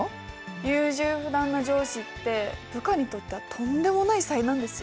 優柔不断な上司って部下にとってはとんでもない災難ですよ。